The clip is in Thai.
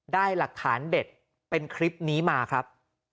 ได้หลักฐานเด็ดเป็นคลิปนี้มาครับ